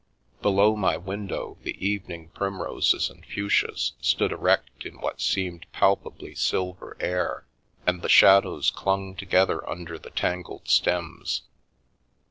Below my window the evening primroses and fuchsias stood erect in what seemed palpably silver air, and the shadows clung together under the tangled stems.